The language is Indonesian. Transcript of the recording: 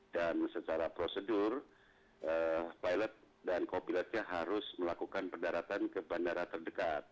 dan secara prosedur pilot dan kopilotnya harus melakukan pendaratan ke bandara terdekat